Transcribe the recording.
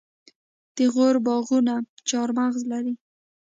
د غور باغونه چهارمغز لري.